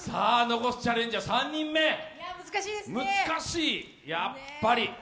残すチャレンジャー３人目、難しい、やっぱり。